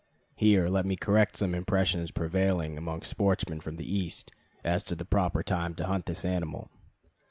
Here let me correct some impressions prevailing among sportsmen from the East as to the proper time to hunt this animal.